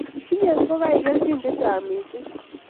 tinyei ngokaik kelchin chechang mising